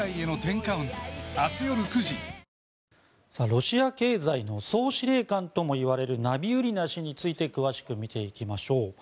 ロシア経済の総司令官ともいわれるナビウリナ氏について詳しく見ていきましょう。